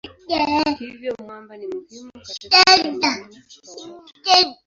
Hivyo mwamba ni muhimu katika utamaduni wa watu.